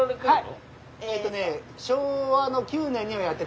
はい！